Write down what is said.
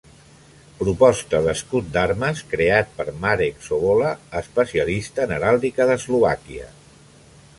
Proposta d'escut d'armes creat per Marek Sobola, especialista en heràldica d'Eslovàquia.